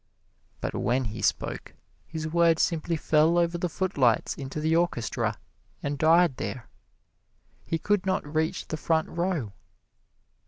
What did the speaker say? But when he spoke, his words simply fell over the footlights into the orchestra and died there. He could not reach the front row.